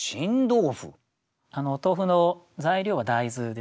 お豆腐の材料は大豆ですね。